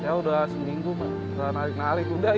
ya udah seminggu mbak udah lari lari